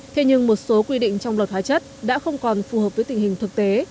thế nhưng một số quy định trong luật hóa chất đã không còn phù hợp với tình hình thực tế